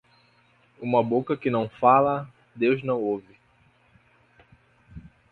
Uma boca que não fala, Deus não ovo.